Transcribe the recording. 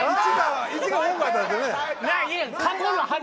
「１」が多かったんですよね。